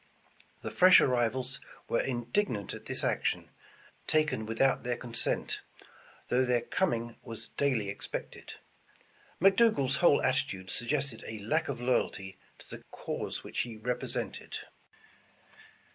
The fresh arrivals were indignant at this action, taken with out their consent, though their coming was daily ex pected. McDougal's whole attitude suggested a lack of loyalty to the cause which he represented.